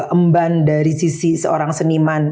emban dari sisi seorang seniman